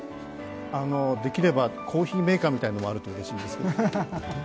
できればコーヒーメーカーみたいなものもあるとうれしいんだけど。